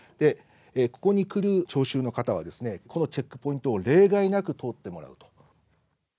ここに来る聴衆の方はこのチェックポイントを例外なく通ってもらうと。